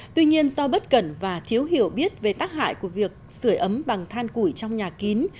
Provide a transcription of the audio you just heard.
tuy nhiên do bất cẩn và thiếu hiểu biết về tác hại của việc sửa ấm bằng than củi trong nhà kín